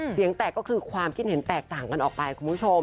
เสียงแตกก็คือความคิดเห็นแตกต่างกันออกไปคุณผู้ชม